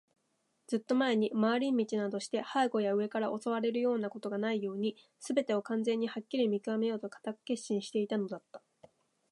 ずっと前に、廻り道などして背後や上から襲われるようなことがないように、すべてを完全にはっきり見きわめようと固く決心していたのだった。